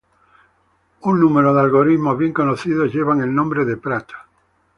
Un número de algoritmos bien conocidos llevan el nombre de Pratt.